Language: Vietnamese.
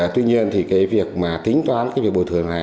tuy nhiên thì cái việc mà tính toán cái việc bồi thường này